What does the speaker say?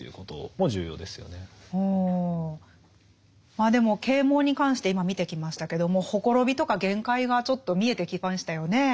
まあでも啓蒙に関して今見てきましたけども綻びとか限界がちょっと見えてきましたよね。